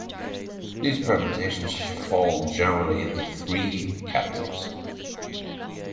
These permutations fall generally into three categories.